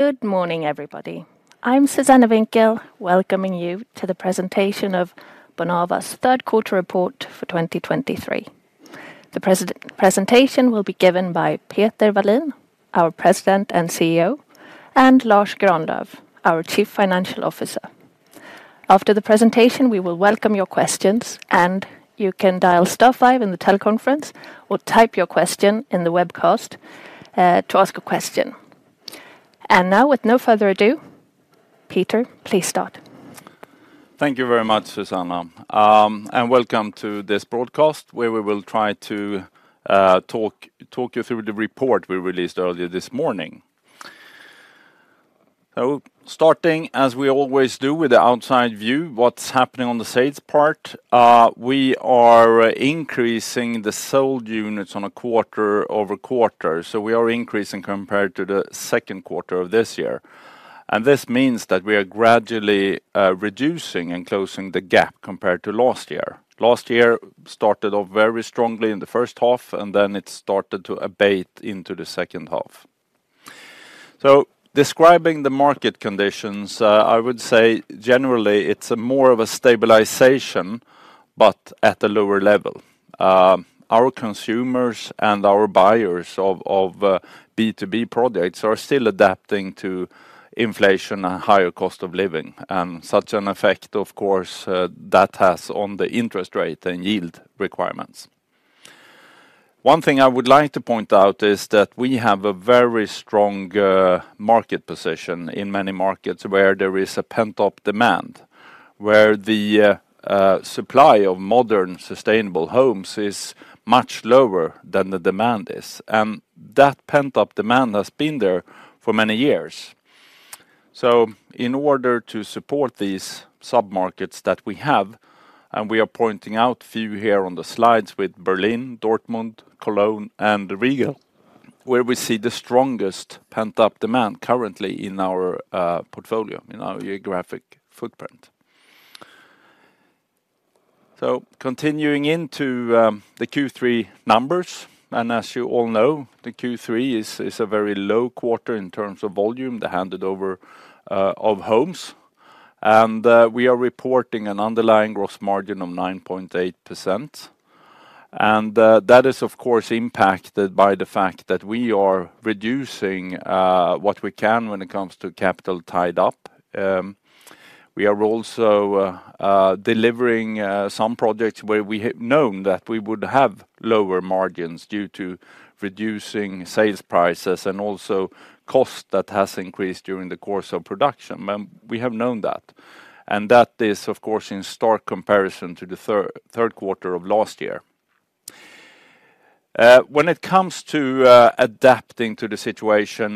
Good morning, everybody. I'm Susanna Winkiel, welcoming you to the presentation of Bonava's third quarter report for 2023. The presentation will be given by Peter Wallin, our President and CEO, and Lars Granlöf, our Chief Financial Officer. After the presentation, we will welcome your questions, and you can dial star five in the teleconference or type your question in the webcast to ask a question. Now, with no further ado, Peter, please start. Thank you very much, Susanna. And welcome to this broadcast, where we will try to talk you through the report we released earlier this morning. So starting, as we always do, with the outside view, what's happening on the sales part, we are increasing the sold units on a quarter-over-quarter, so we are increasing compared to the second quarter of this year. And this means that we are gradually reducing and closing the gap compared to last year. Last year started off very strongly in the first half, and then it started to abate into the second half. So describing the market conditions, I would say generally it's more of a stabilization, but at a lower level. Our consumers and our buyers of B2B products are still adapting to inflation and higher cost of living, and such an effect, of course, that has on the interest rate and yield requirements. One thing I would like to point out is that we have a very strong market position in many markets where there is a pent-up demand, where the supply of modern, sustainable homes is much lower than the demand is, and that pent-up demand has been there for many years. So in order to support these submarkets that we have, and we are pointing out a few here on the slides with Berlin, Dortmund, Cologne, and Riga, where we see the strongest pent-up demand currently in our portfolio, in our geographic footprint. So continuing into the Q3 numbers, and as you all know, the Q3 is a very low quarter in terms of volume, the handed over of homes. We are reporting an underlying gross margin of 9.8%. That is, of course, impacted by the fact that we are reducing what we can when it comes to capital tied up. We are also delivering some projects where we have known that we would have lower margins due to reducing sales prices and also cost that has increased during the course of production. We have known that. That is, of course, in stark comparison to the third quarter of last year. When it comes to adapting to the situation,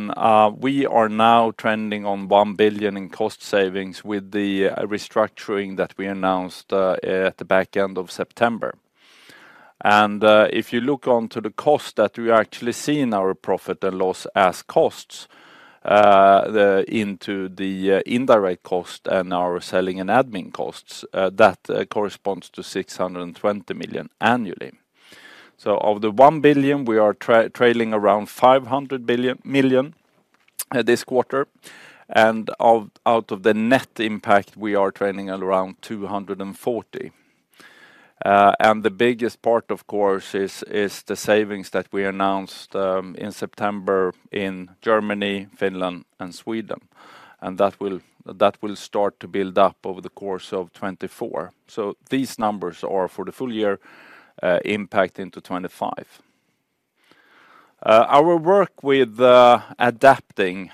we are now trending on 1 billion in cost savings with the restructuring that we announced at the back end of September. If you look onto the cost that we are actually seeing our profit and loss as costs, into the indirect cost and our selling and admin costs, that corresponds to 620 million annually. So of the 1 billion, we are trailing around 500 million this quarter, and out of the net impact, we are trailing at around 240 million. And the biggest part, of course, is the savings that we announced in September in Germany, Finland, and Sweden, and that will start to build up over the course of 2024. These numbers are for the full year, impact into 2025. Our work with adapting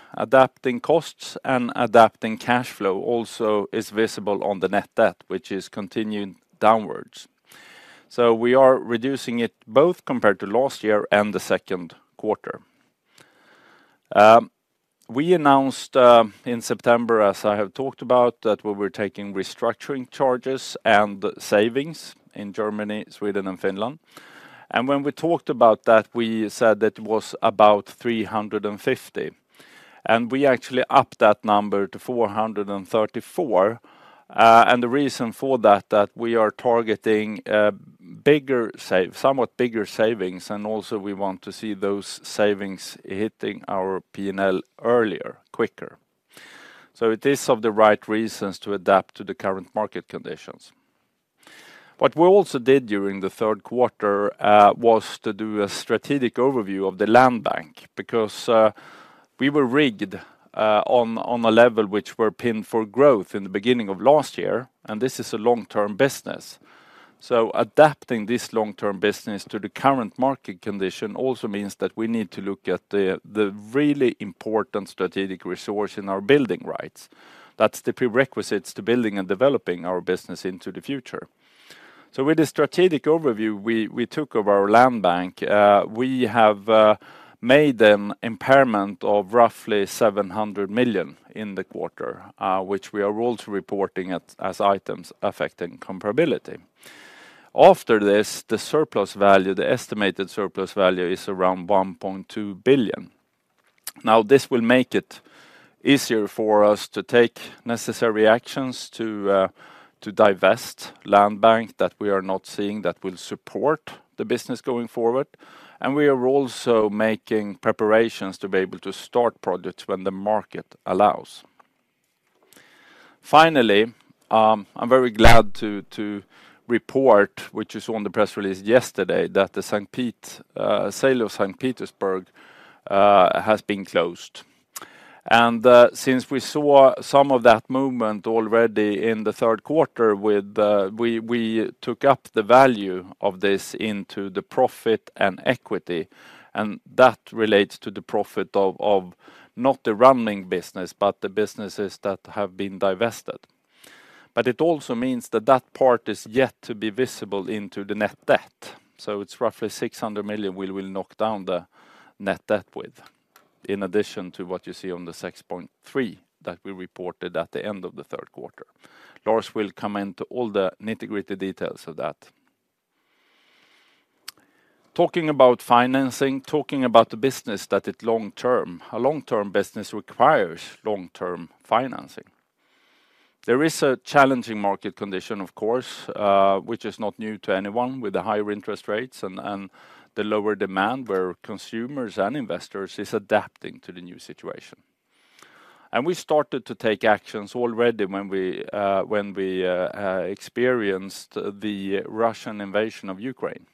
costs and adapting cash flow also is visible on the net debt, which is continuing downwards. We are reducing it both compared to last year and the second quarter. We announced in September, as I have talked about, that we were taking restructuring charges and savings in Germany, Sweden, and Finland. When we talked about that, we said that it was about 350, and we actually upped that number to 434. The reason for that is that we are targeting bigger, somewhat bigger savings, and also we want to see those savings hitting our P&L earlier, quicker. It is for the right reasons to adapt to the current market conditions. What we also did during the third quarter was to do a strategic overview of the land bank, because we were rigged on a level which were pinned for growth in the beginning of last year, and this is a long-term business. So adapting this long-term business to the current market condition also means that we need to look at the really important strategic resource in our building rights. That's the prerequisites to building and developing our business into the future. So with the strategic overview we took of our land bank, we have made an impairment of roughly 700 million in the quarter, which we are also reporting it as items affecting comparability. After this, the surplus value, the estimated surplus value, is around 1.2 billion. Now, this will make it easier for us to take necessary actions to divest land bank that we are not seeing that will support the business going forward, and we are also making preparations to be able to start projects when the market allows. Finally, I'm very glad to report, which is on the press release yesterday, that the St. Pete sale of St. Petersburg has been closed. And since we saw some of that movement already in the third quarter with we took up the value of this into the profit and equity, and that relates to the profit of not the running business, but the businesses that have been divested. But it also means that that part is yet to be visible into the net debt. It's roughly 600 million we will knock down the net debt with, in addition to what you see on the 6.3 billion that we reported at the end of the third quarter. Lars will come into all the nitty-gritty details of that. Talking about financing, talking about the business that it long term. A long-term business requires long-term financing. There is a challenging market condition, of course, which is not new to anyone with the higher interest rates and the lower demand, where consumers and investors is adapting to the new situation. We started to take actions already when we experienced the Russian invasion of Ukraine.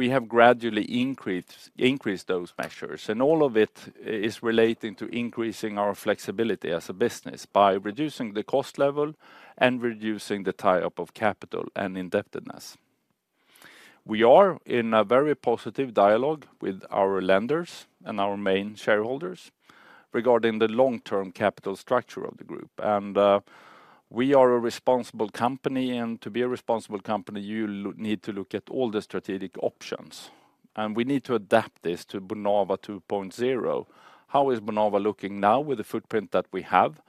We have gradually increased those measures, and all of it is relating to increasing our flexibility as a business by reducing the cost level and reducing the tie-up of capital and indebtedness. We are in a very positive dialogue with our lenders and our main shareholders regarding the long-term capital structure of the group. We are a responsible company, and to be a responsible company, you need to look at all the strategic options, and we need to adapt this to Bonava 2.0. How is Bonava looking now with the footprint that we have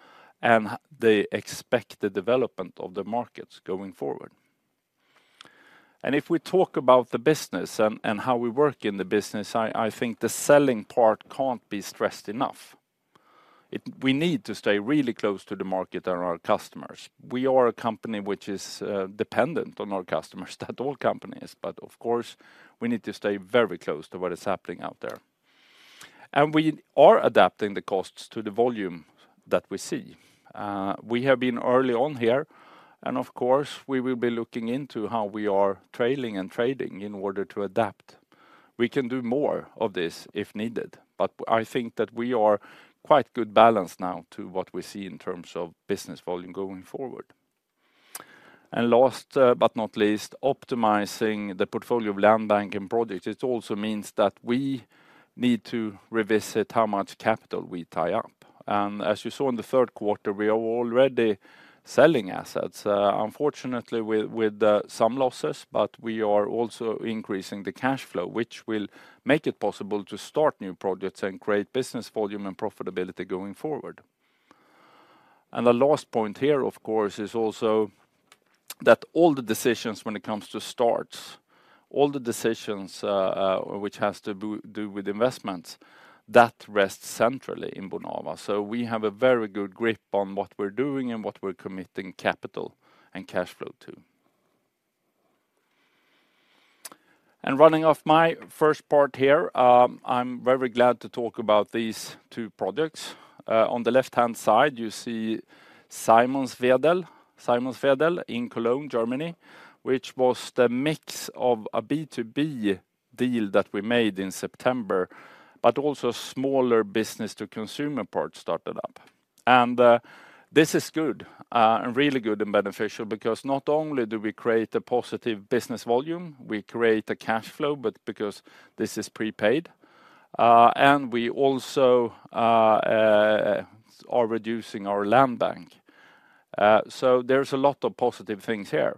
and the expected development of the markets going forward? If we talk about the business and how we work in the business, I think the selling part can't be stressed enough. It, we need to stay really close to the market and our customers. We are a company which is dependent on our customers, that all companies, but of course, we need to stay very close to what is happening out there. And we are adapting the costs to the volume that we see. We have been early on here, and of course, we will be looking into how we are trailing and trading in order to adapt. We can do more of this if needed, but I think that we are quite good balanced now to what we see in terms of business volume going forward. And last, but not least, optimizing the portfolio of land banking projects. It also means that we need to revisit how much capital we tie up. As you saw in the third quarter, we are already selling assets, unfortunately, with some losses, but we are also increasing the cash flow, which will make it possible to start new projects and create business volume and profitability going forward. The last point here, of course, is also that all the decisions when it comes to starts, all the decisions which has to do with investments, that rests centrally in Bonava. So we have a very good grip on what we're doing and what we're committing capital and cash flow to. Running off my first part here, I'm very glad to talk about these two projects. On the left-hand side, you see Simonsveedel, Simonsveedel in Cologne, Germany, which was the mix of a B2B deal that we made in September, but also a smaller business-to-consumer part started up. This is good, and really good and beneficial, because not only do we create a positive business volume, we create a cash flow, but because this is prepaid, and we also are reducing our land bank. So there's a lot of positive things here.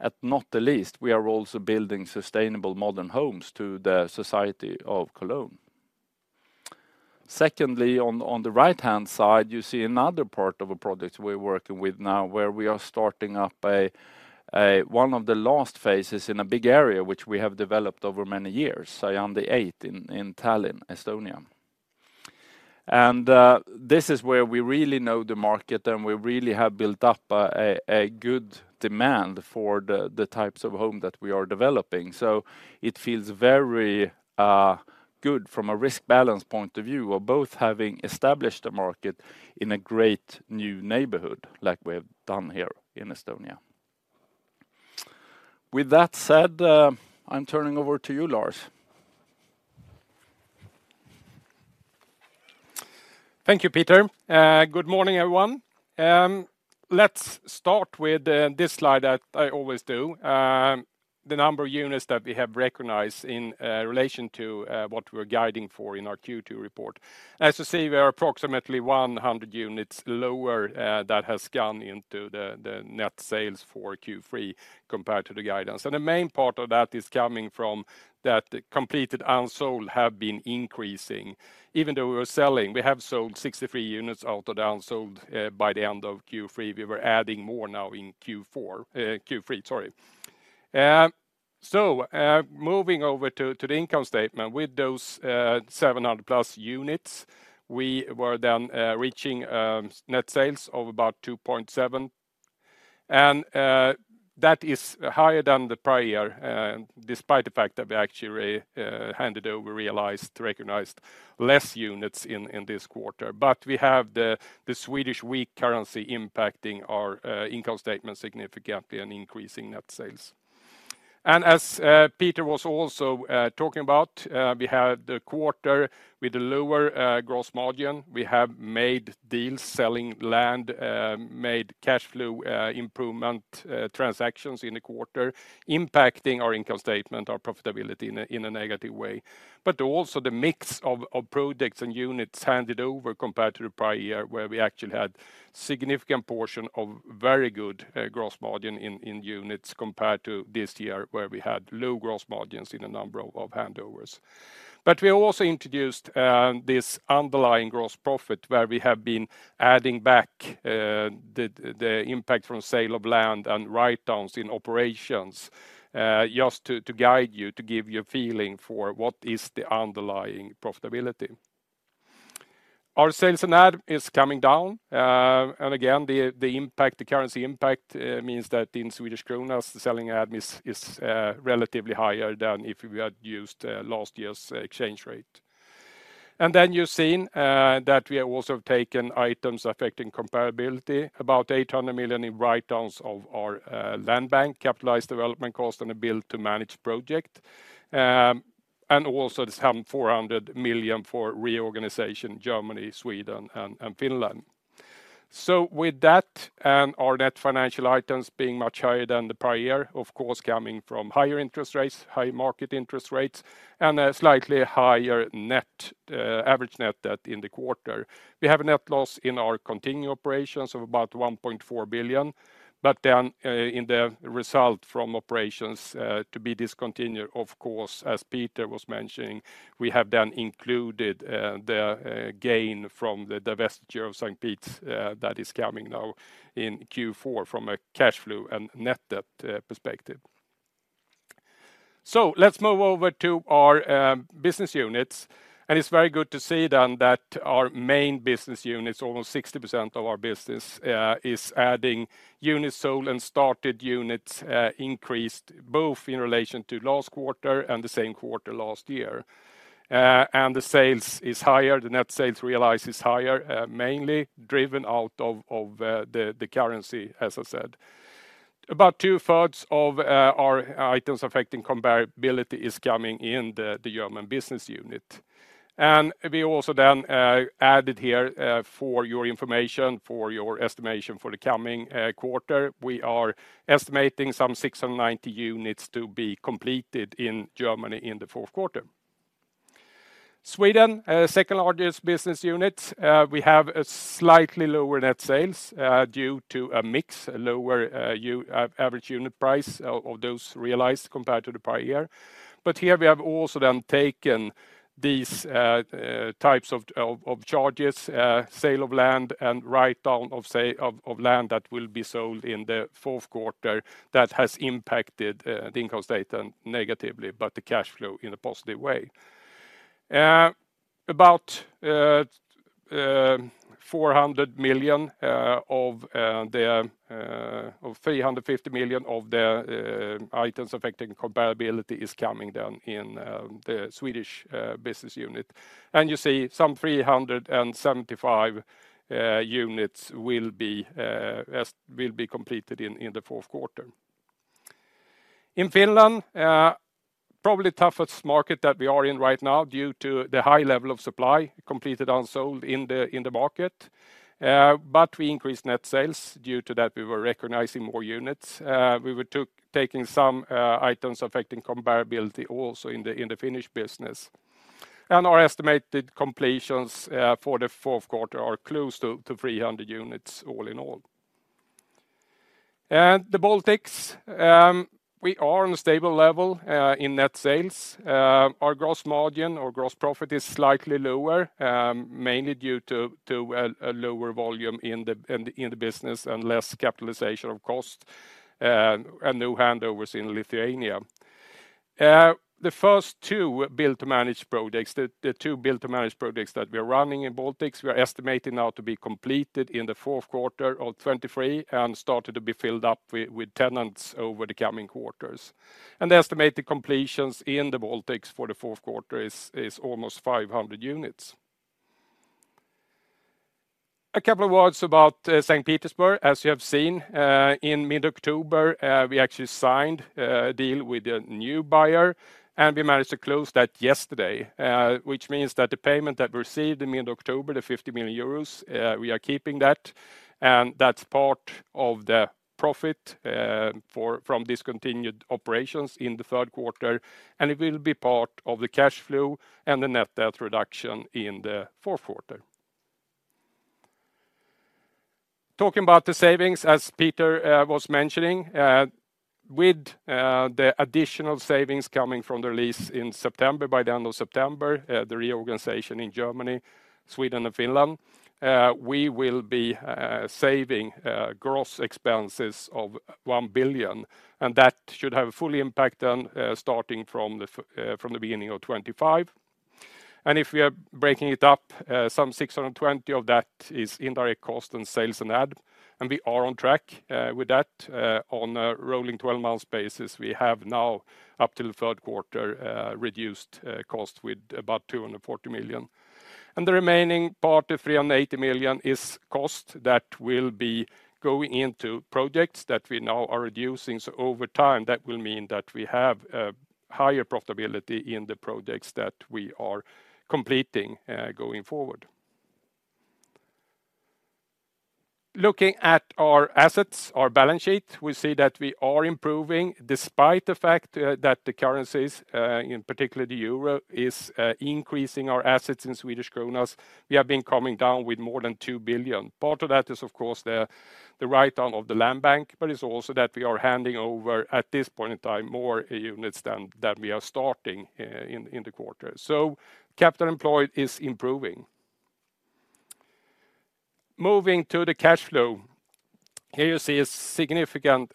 At not the least, we are also building sustainable modern homes to the society of Cologne. Secondly, on the right-hand side, you see another part of a project we're working with now, where we are starting up one of the last phases in a big area which we have developed over many years, Uus-Mustamäe in Tallinn, Estonia. This is where we really know the market, and we really have built up a good demand for the types of home that we are developing. So it feels very good from a risk balance point of view, of both having established a market in a great new neighborhood like we have done here in Estonia. With that said, I'm turning over to you, Lars. Thank you, Peter. Good morning, everyone. Let's start with this slide that I always do. The number of units that we have recognized in relation to what we're guiding for in our Q2 report. As you see, we are approximately 100 units lower that has gone into the net sales for Q3 compared to the guidance. The main part of that is coming from that completed unsold have been increasing. Even though we were selling, we have sold 63 units out of the unsold by the end of Q3. We were adding more now in Q4, Q3, sorry. So, moving over to the income statement, with those 700+ units, we were then reaching net sales of about 2.7 million. And that is higher than the prior year, despite the fact that we actually handed over, realized, recognized less units in this quarter. But we have the Swedish weak currency impacting our income statement significantly and increasing net sales. And as Peter was also talking about, we had a quarter with a lower gross margin. We have made deals selling land, made cash flow improvement transactions in the quarter, impacting our income statement, our profitability in a negative way. But also the mix of products and units handed over compared to the prior year, where we actually had significant portion of very good gross margin in units, compared to this year, where we had low gross margins in a number of handovers. But we also introduced this underlying gross profit, where we have been adding back the impact from sale of land and write-downs in operations, just to guide you, to give you a feeling for what is the underlying profitability. Our sales and admin is coming down, and again, the impact, the currency impact, means that in Swedish kronor, the selling admin is relatively higher than if we had used last year's exchange rate. And then you've seen that we have also taken items affecting comparability, about 800 million in write-downs of our land bank, capitalized development cost, and a build-to-manage project. And also then some 400 million for reorganization, Germany, Sweden, and Finland. So with that, and our net financial items being much higher than the prior year, of course, coming from higher interest rates, high market interest rates, and a slightly higher net average net debt in the quarter. We have a net loss in our continuing operations of about 1.4 billion, but then in the result from operations to be discontinued, of course, as Peter was mentioning, we have then included the gain from the divestiture of St. Pete's, that is coming now in Q4 from a cash flow and net debt perspective. So let's move over to our business units, and it's very good to see then that our main business units, almost 60% of our business, is adding units sold and started units increased both in relation to last quarter and the same quarter last year. And the sales is higher, the net sales realized is higher, mainly driven out of the currency, as I said. About two-thirds of our items affecting comparability is coming in the German business unit. And we also then added here for your information, for your estimation for the coming quarter, we are estimating some 690 units to be completed in Germany in the fourth quarter. Sweden, second largest business unit, we have a slightly lower net sales due to a mix, a lower average unit price of those realized compared to the prior year. But here we have also then taken these types of charges, sale of land and write down of land that will be sold in the fourth quarter that has impacted the income statement negatively, but the cash flow in a positive way. About 400 million of the 350 million of the items affecting comparability is coming down in the Swedish business unit. And you see some 375 units will be completed in the fourth quarter. In Finland, probably toughest market that we are in right now due to the high level of supply completed unsold in the market. But we increased net sales. Due to that, we were recognizing more units. We were taking some items affecting comparability also in the Finnish business. Our estimated completions for the fourth quarter are close to 300 units all in all. And the Baltics, we are on a stable level in net sales. Our gross margin or gross profit is slightly lower, mainly due to a lower volume in the business and less capitalization of cost, and no handovers in Lithuania. The first two Build-to-Manage projects, the two Build-to-Manage projects that we are running in Baltics, we are estimating now to be completed in the fourth quarter of 2023 and started to be filled up with tenants over the coming quarters. The estimated completions in the Baltics for the fourth quarter is almost 500 units. A couple of words about St. Petersburg. As you have seen, in mid-October, we actually signed a deal with a new buyer, and we managed to close that yesterday, which means that the payment that we received in mid-October, the 50 million euros, we are keeping that, and that's part of the profit from discontinued operations in the third quarter, and it will be part of the cash flow and the net debt reduction in the fourth quarter. Talking about the savings, as Peter was mentioning, with the additional savings coming from the release in September, by the end of September, the reorganization in Germany, Sweden, and Finland, we will be saving gross expenses of 1 billion, and that should have a full impact starting from the beginning of 2025. If we are breaking it up, some 620 million of that is indirect costs on sales and admin, and we are on track with that. On a rolling 12-month basis, we have now, up till the third quarter, reduced cost with about 240 million. The remaining part, the 380 million, is cost that will be going into projects that we now are reducing. So over time, that will mean that we have higher profitability in the projects that we are completing going forward. Looking at our assets, our balance sheet, we see that we are improving despite the fact that the currencies, in particular the euro, is increasing our assets in Swedish kronor. We have been coming down with more than 2 billion. Part of that is, of course, the write-down of the land bank, but it's also that we are handing over, at this point in time, more units than we are starting in the quarter. So capital employed is improving. Moving to the cash flow, here you see a significant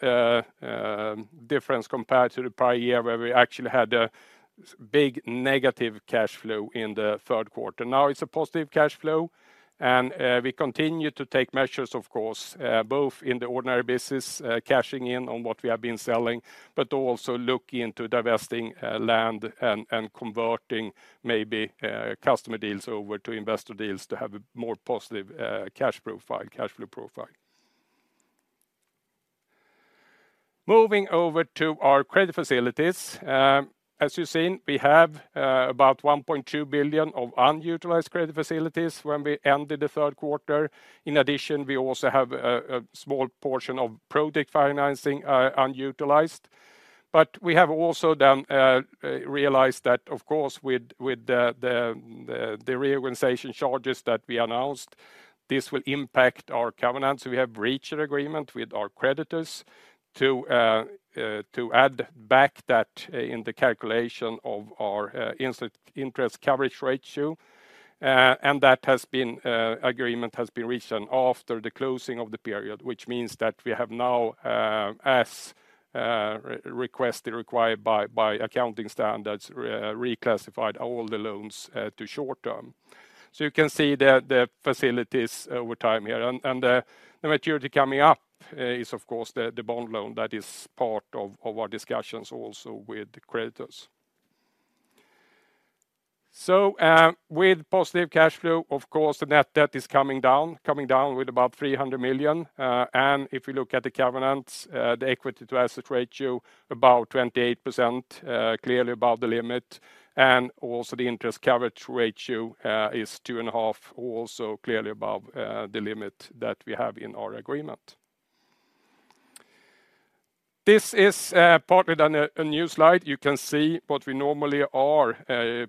difference compared to the prior year, where we actually had a big negative cash flow in the third quarter. Now, it's a positive cash flow, and we continue to take measures, of course, both in the ordinary business, cashing in on what we have been selling, but also looking into divesting land and converting maybe customer deals over to investor deals to have a more positive cash profile, cash flow profile. Moving over to our credit facilities. As you've seen, we have about 1.2 billion of unutilized credit facilities when we ended the third quarter. In addition, we also have a small portion of project financing, unutilized. But we have also then realized that, of course, with the reorganization charges that we announced, this will impact our covenants. We have reached an agreement with our creditors to add back that in the calculation of our interest coverage ratio. And that agreement has been reached after the closing of the period, which means that we have now, as required by accounting standards, reclassified all the loans to short-term. So you can see the facilities over time here, and the maturity coming up is, of course, the bond loan that is part of our discussions also with the creditors. So, with positive cash flow, of course, the net debt is coming down with about 300 million. And if you look at the covenants, the equity to asset ratio, about 28%, clearly above the limit. And also, the interest coverage ratio is 2.5, also clearly above the limit that we have in our agreement. This is partly a new slide. You can see what we normally are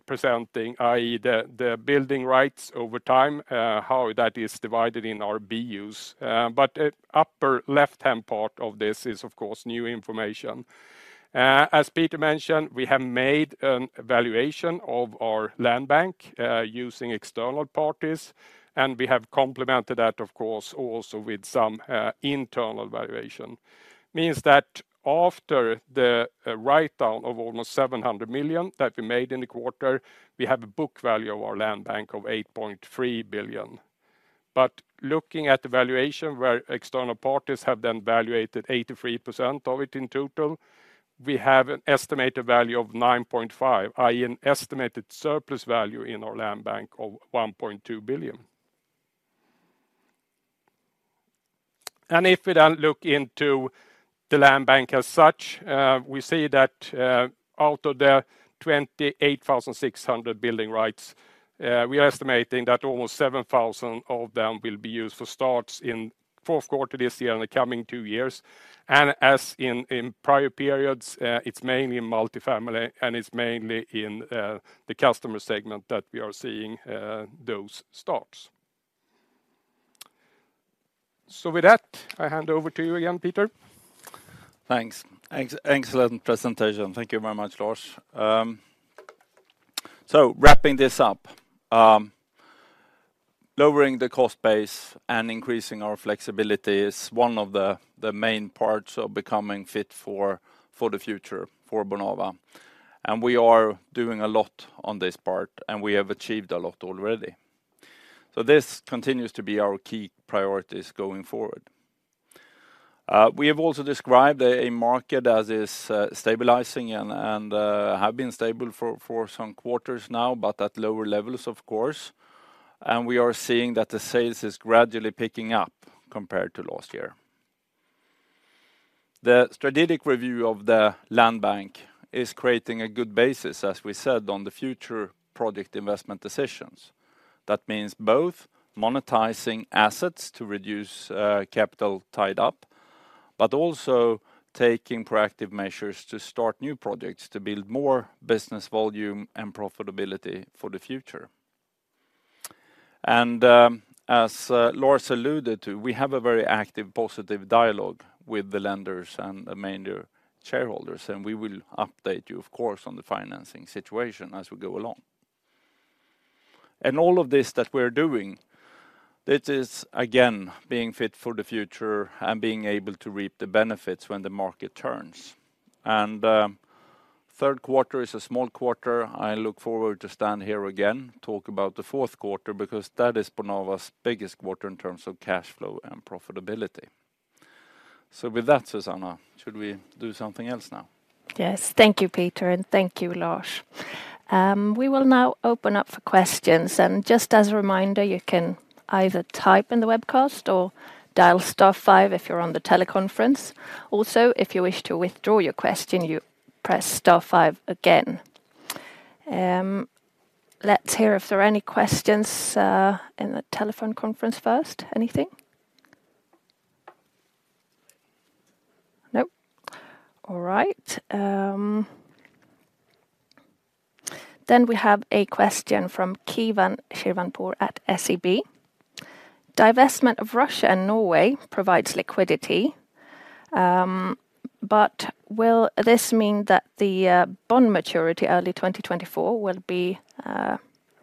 presenting, i.e., the building rights over time, how that is divided in our BUs. But upper left-hand part of this is, of course, new information. As Peter mentioned, we have made an evaluation of our land bank using external parties, and we have complemented that, of course, also with some internal valuation. Means that after the write-down of almost 700 million that we made in the quarter, we have a book value of our land bank of 8.3 billion. But looking at the valuation, where external parties have then valuated 83% of it in total, we have an estimated value of 9.5 billion, i.e., an estimated surplus value in our land bank of 1.2 billion. And if we then look into the land bank as such, we see that, out of the 28,600 building rights, we are estimating that almost 7,000 of them will be used for starts in fourth quarter this year and the coming two years. And as in, in prior periods, it's mainly in multifamily, and it's mainly in, the customer segment that we are seeing, those starts. So with that, I hand over to you again, Peter. Thanks. Excellent presentation. Thank you very much, Lars. So wrapping this up, lowering the cost base and increasing our flexibility is one of the, the main parts of becoming fit for, for the future, for Bonava. And we are doing a lot on this part, and we have achieved a lot already. So this continues to be our key priorities going forward. We have also described a, a market that is, stabilizing and, and, have been stable for, for some quarters now, but at lower levels, of course. And we are seeing that the sales is gradually picking up compared to last year. The strategic review of the land bank is creating a good basis, as we said, on the future project investment decisions. That means both monetizing assets to reduce capital tied up, but also taking proactive measures to start new projects, to build more business volume and profitability for the future. And as Lars alluded to, we have a very active, positive dialogue with the lenders and the major shareholders, and we will update you, of course, on the financing situation as we go along. And all of this that we're doing, it is again, being fit for the future and being able to reap the benefits when the market turns. And third quarter is a small quarter. I look forward to stand here again, talk about the fourth quarter, because that is Bonava's biggest quarter in terms of cash flow and profitability. So with that, Susanna, should we do something else now? Yes. Thank you, Peter, and thank you, Lars. We will now open up for questions, and just as a reminder, you can either type in the webcast or dial star five if you're on the teleconference. Also, if you wish to withdraw your question, you press star five again. Let's hear if there are any questions in the telephone conference first. Anything? Nope. All right. Then we have a question from Kevin Shirvanpour at SEB: Divestment of Russia and Norway provides liquidity, but will this mean that the bond maturity, early 2024, will be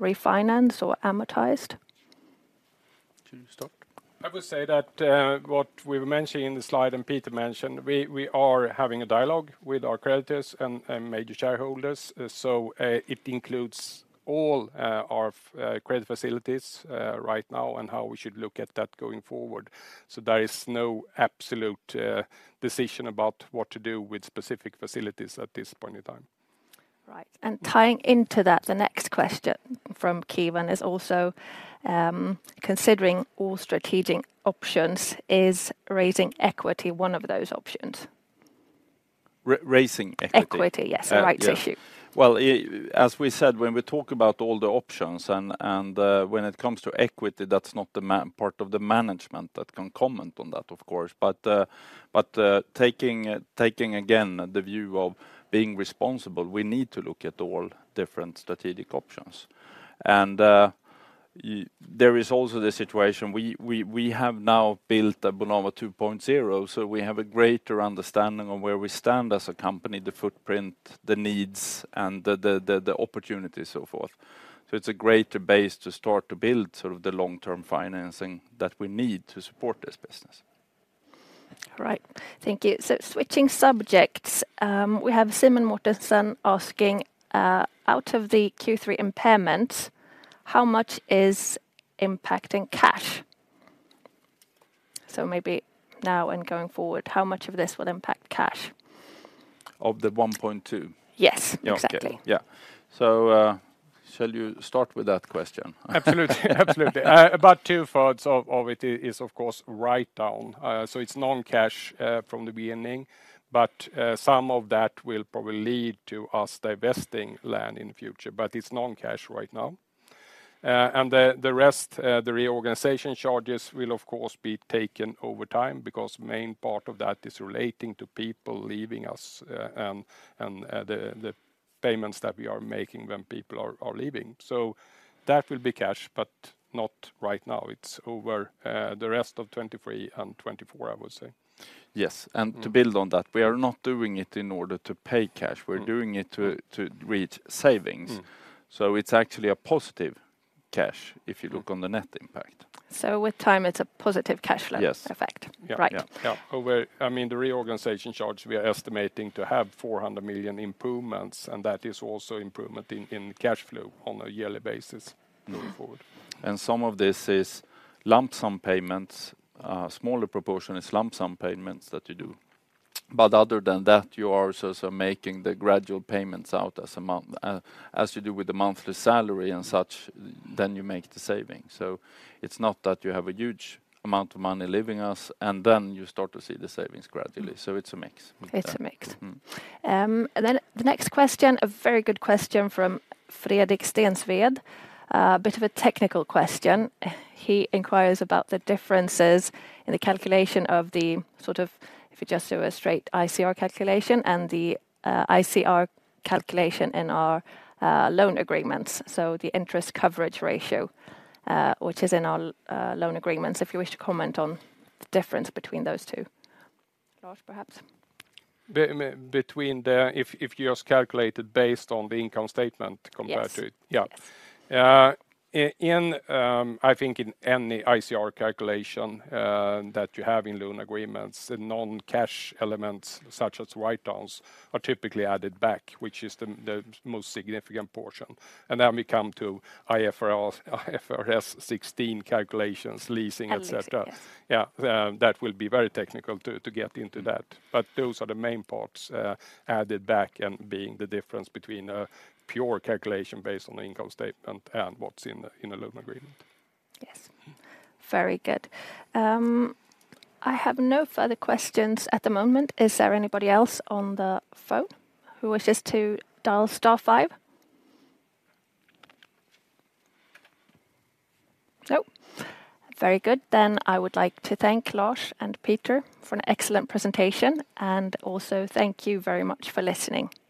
refinanced or amortized? Should you start? I would say that, what we were mentioning in the slide, and Peter mentioned, we are having a dialogue with our creditors and major shareholders. So, it includes all our credit facilities right now, and how we should look at that going forward. So there is no absolute decision about what to do with specific facilities at this point in time. Right. And tying into that, the next question from Kevin is also: Considering all strategic options, is raising equity one of those options? Raising equity? Equity, yes. Uh, yeah. Right issue. Well, as we said, when we talk about all the options and, when it comes to equity, that's not the main part of the management that can comment on that, of course. But, taking again, the view of being responsible, we need to look at all different strategic options. And, there is also the situation, we have now built a Bonava 2.0, so we have a greater understanding on where we stand as a company, the footprint, the needs, and the opportunities, so forth. So it's a greater base to start to build sort of the long-term financing that we need to support this business. Right. Thank you. So switching subjects, we have Simen Mortensen asking: Out of the Q3 impairment, how much is impacting cash? So maybe now and going forward, how much of this will impact cash? Of the 1.2 billion? Yes. Okay. Exactly. Yeah. So, shall you start with that question? Absolutely. Absolutely. About two-thirds of it is, of course, a write-down. So it's non-cash from the beginning, but some of that will probably lead to us divesting land in the future, but it's non-cash right now. And the rest, the reorganization charges will, of course, be taken over time, because the main part of that is relating to people leaving us, and the payments that we are making when people are leaving. So that will be cash, but not right now. It's over the rest of 2023 and 2024, I would say. Yes. To build on that, we are not doing it in order to pay cash we're doing it to reach savings. It’s actually a positive cash if you look on the net impact. With time, it's a positive cash flow. Yes... effect. Yeah. Right. Yeah. Yeah. Over, I mean, the reorganization charge, we are estimating to have 400 million improvements, and that is also improvement in cash flow on a yearly basis moving forward. Some of this is lump sum payments. Smaller proportion is lump sum payments that you do. But other than that, you are also making the gradual payments out as a month, as you do with the monthly salary and such, then you make the saving. So it's not that you have a huge amount of money leaving us, and then you start to see the savings gradually. So it's a mix. It's a mix. And then the next question, a very good question from Fredrik Steensved, a bit of a technical question. He inquires about the differences in the calculation of the, sort of, if you just do a straight ICR calculation and the ICR calculation in our loan agreements, so the interest coverage ratio, which is in our loan agreements. If you wish to comment on the difference between those two. Lars, perhaps. Between the... If, if you just calculate it based on the income statement compared to it? Yes. Yeah. I think in any ICR calculation, that you have in loan agreements, the non-cash elements, such as write-downs, are typically added back, which is the most significant portion. And then we come to IFRS, IFRS 16 calculations, leasing, et cetera. Leasing, yes. Yeah. That will be very technical to get into that, but those are the main parts, added back and being the difference between a pure calculation based on the income statement and what's in the loan agreement. Yes. Very good. I have no further questions at the moment. Is there anybody else on the phone who wishes to dial star five? Nope. Very good, then I would like to thank Lars and Peter for an excellent presentation, and also thank you very much for listening. Thank you.